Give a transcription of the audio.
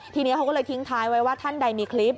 ทีนี้เขาก็เลยทิ้งท้ายไว้ว่าท่านใดมีคลิป